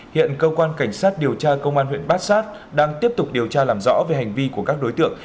hiện cơ quan cảnh sát điều tra công an huyện bát sát đang tiếp tục điều tra làm rõ về hành vi của các đối tượng